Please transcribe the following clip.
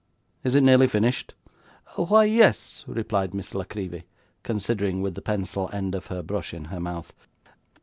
Is it nearly finished?' 'Why, yes,' replied Miss La Creevy, considering with the pencil end of her brush in her mouth.